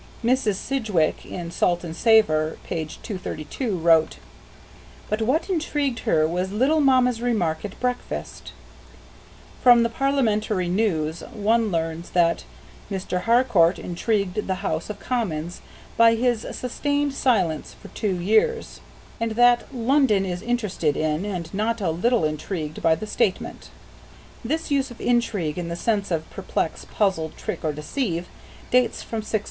Mrs. Sidgwick in "Salt and Savour," page 232, wrote: "But what intrigued her was Little Mamma's remark at breakfast," From the Parliamentary news, one learns that "Mr. Harcourt intrigued the House of Commons by his sustained silence for two years" and that "London is interested in, and not a little intrigued, by the statement." This use of intrigue in the sense of "perplex, puzzle, trick, or deceive" dates from 1600.